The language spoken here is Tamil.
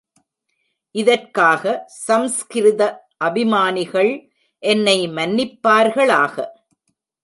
இதற்காக சம்ஸ்கிருத அபிமானிகள் என்னை மன்னிப் பார்களாக.